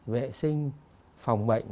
vệ sinh phòng bệnh